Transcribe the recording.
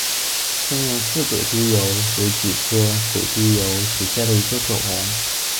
中原氏鬼督邮为菊科鬼督邮属下的一个种。